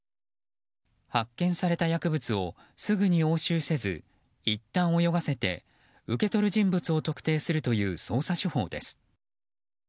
発見された薬物をすぐに押収せずいったん泳がせて受け取る人物を特定するという捜査手法です。